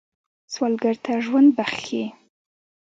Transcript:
سوالګر ته ژوند بخښئ